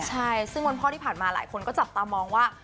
ใช่ที่วันพ่อผ่านมาหลายคนอาจจับตามองว่า